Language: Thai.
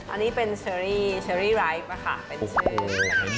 อันนี้เป็นเชอรี่ไลค์เป็นเชอรี่ไลค์